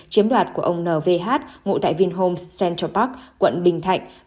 chiếm đoạt của ông n v h ngụ tại vinhome central park quận bình thạnh